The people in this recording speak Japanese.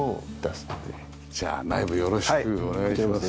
じゃあ内部よろしくお願いします。